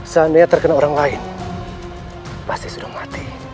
seandainya terkena orang lain pasti sudah mati